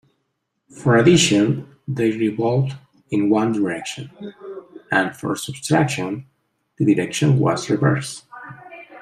For addition they revolved in one direction, and for subtraction the direction was reversed.